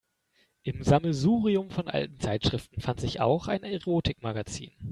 Im Sammelsurium von alten Zeitschriften fand sich auch ein Erotikmagazin.